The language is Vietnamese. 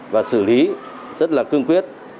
và xử lý rất là cương quyết